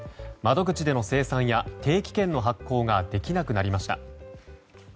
窓口での精算や定期券の発行ができなくなりました。